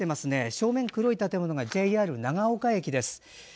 正面の黒い建物がＪＲ長岡駅です。